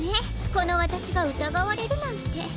このわたしがうたがわれるなんて。